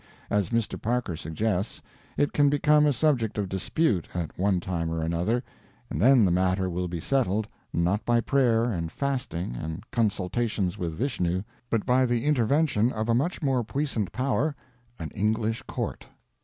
As Mr. Parker suggests, it can become a subject of dispute, at one time or another, and then the matter will be settled, not by prayer and fasting and consultations with Vishnu, but by the intervention of a much more puissant power an English court.